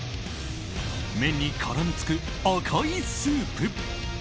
麺に絡みつく赤いスープ。